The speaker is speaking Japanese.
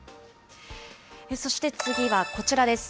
そして次はこちらです。